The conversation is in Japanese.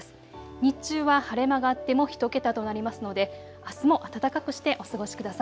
日中は晴れ間があっても１桁となりますのであすも暖かくしてお過ごしください。